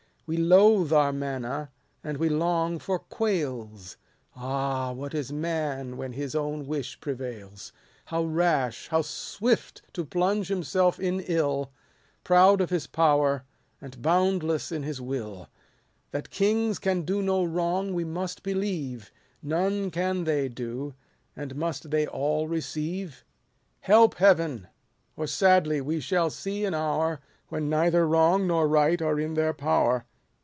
130 We loathe our manna, and we long for quails ; Ah, what is man when his own wish prevails ! How rash, how swift to plunge himself in ill ! Proud of his power, and boundless in his will ! That kings can do no wrong, we must believe ; None can they do, and must they all receive % THE MEDAL. 169 Help. Heaven ! or sadly we shall see an hour, 137 When neither wrong nor right are in their power